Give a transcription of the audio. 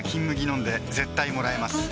飲んで絶対もらえます